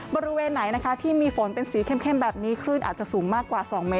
บริเวณไหนนะคะที่มีฝนเป็นสีเข้มแบบนี้คลื่นอาจจะสูงมากกว่า๒เมตร